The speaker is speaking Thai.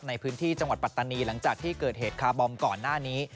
ในพื้นที่จังหวัดปัตตานีหลังจากที่เกิดเหตุคาร์บอมก่อนหน้านี้